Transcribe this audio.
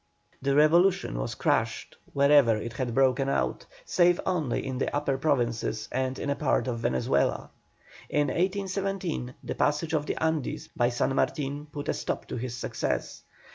The revolution was crushed wherever it had broken out, save only in the United Provinces and in a part of Venezuela. In 1817 the passage of the Andes by San Martin put a stop to his success.